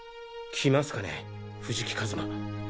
来ますかね藤木一馬。